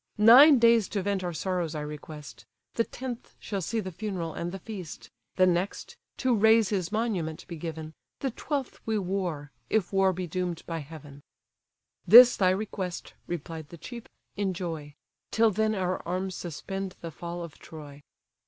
Nine days to vent our sorrows I request, The tenth shall see the funeral and the feast; The next, to raise his monument be given; The twelfth we war, if war be doom'd by heaven!" "This thy request (replied the chief) enjoy: Till then our arms suspend the fall of Troy."